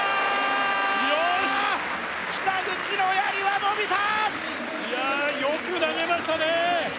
よしっ北口のやりはのびたいやよく投げましたね